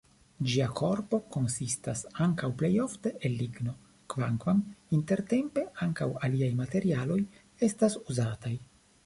Ĝia korpo konsistas ankaŭ plejofte el ligno, kvankam intertempe ankaŭ aliaj materialoj estas uzataj.